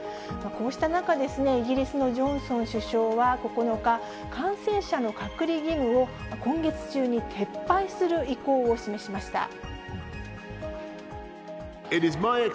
こうした中、イギリスのジョンソン首相は、９日、感染者の隔離義務を今月中に撤廃する意向を示しました。